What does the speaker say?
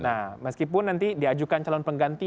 nah meskipun nanti diajukan calon pengganti